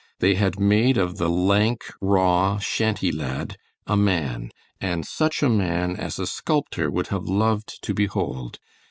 They had made of the lank, raw, shanty lad a man, and such a man as a sculptor would have loved to behold.